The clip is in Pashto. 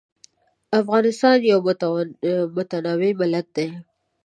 افغانستان یو متنوع ملت دی.